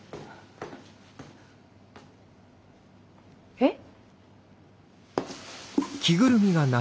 えっ？